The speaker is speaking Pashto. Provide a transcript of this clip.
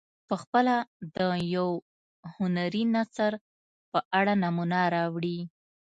پخپله د یو هنري نثر په اړه نمونه راوړي.